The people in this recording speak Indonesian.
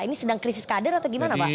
ini sedang krisis kader atau gimana pak